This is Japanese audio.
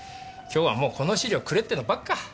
今日はもう「この資料くれ」ってのばっか。